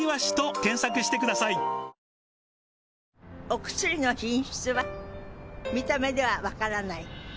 お薬の品質は見た目では分からない。